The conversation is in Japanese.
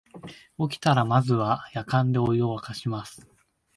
起きたらまずはやかんでお湯をわかします